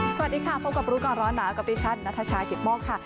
สวัสดีค่ะพบกับรู้ก่อนร้อนหนาวกับดิฉันนัทชายกิตโมกค่ะ